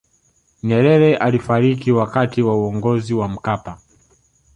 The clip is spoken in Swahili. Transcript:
nyerere alifariki wakati wa uongozi wa mkapa